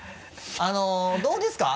あのどうですか？